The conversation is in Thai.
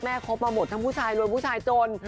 ครบมาหมดทั้งผู้ชายรวยผู้ชายจน